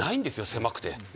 狭くて。